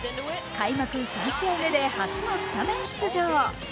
開幕３試合目で初のスタメン出場。